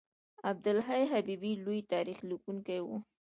عبدالحی حبیبي لوی تاریخ لیکونکی و.